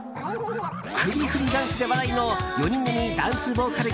首振りダンスで話題の４人組ダンスボーカル